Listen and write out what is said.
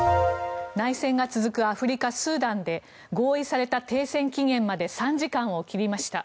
内戦が続くアフリカ・スーダンで合意された停戦期限まで３時間を切りました。